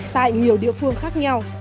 tại nhiều địa phương khác nhau